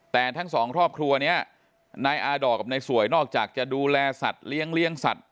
แต่ทั้งสองครอบครัวนี้นายอาดอร์กับนายสวยนอกจากจะดูแลสัตว์เลี้ยงสัตว